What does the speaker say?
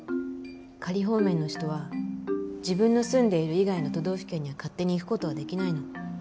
仮放免の人は自分の住んでいる以外の都道府県には勝手に行くことはできないの。